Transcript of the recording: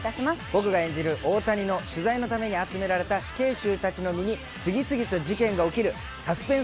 僕が演じる大谷の取材のために集められた死刑囚たちの身に次々と事件が起きるサスペンスコメディーです。